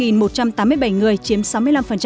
tám mươi bảy người chiếm sáu mươi năm